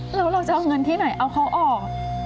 แล้วเราจะเอาเงินที่ไหนเอาเขาออก